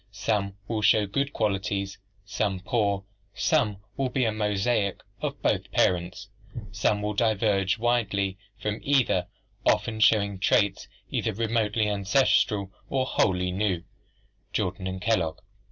Some will show good qualities, some poor, some will be a mosaic of both parents, some will diverge widely from either, often showing traits either remotely ancestral or wholly new" (Jordan and Kellogg).